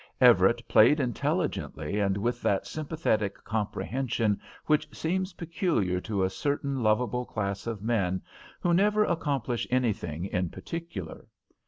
Everett played intelligently and with that sympathetic comprehension which seems peculiar to a certain lovable class of men who never accomplish anything in particular.